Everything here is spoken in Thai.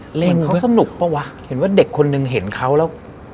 มันเค้าสนุกปะว้าเห็นว่าเด็กคนนึงเห็นเค้าแล้ว